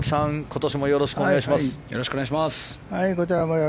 今年もよろしくお願いします。